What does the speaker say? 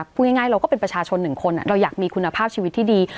พูดง่ายเราก็เป็นประชาชนหนึ่งคนเราอยากมีคุณภาพชีวิตที่ดี